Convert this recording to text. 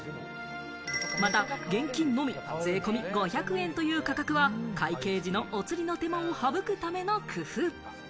また現金のみ税込み５００円という価格は会計時のお釣りの手間を省くための工夫。